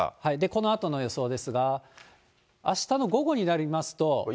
このあとの予想ですが、あしたの午後になりますと。